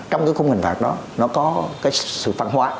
trong cái khung hình phạt đó nó có cái sự phân hoá